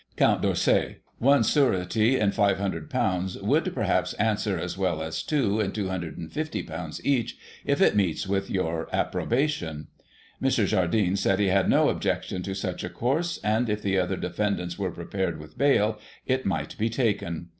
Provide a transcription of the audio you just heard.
Count D'Orsay : One surety in ;£'soo, would, perhaps, answer as well as two in ;£'250 each, if it meets with your approbation. Mr. Jardine said he had no objection to such a course, and, if the other defendants were prepared with bail, it might be taken.